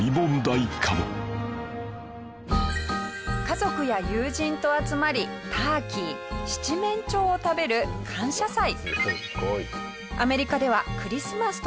家族や友人と集まりターキー七面鳥を食べる感謝祭。